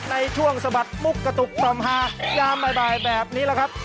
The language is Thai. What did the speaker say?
ในช่วงสบัดมูกกระตุกต่อมฮายามบ่ายแบบนี้แล้วครับ